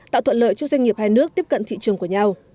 tạo thuận lợi cho doanh nghiệp hai nước tiếp cận thị trường của nhau